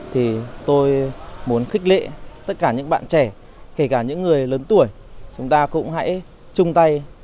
thì tôi muốn khích lệ tất cả những bạn trẻ kể cả những người lớn tuổi chúng ta cũng hãy chung tay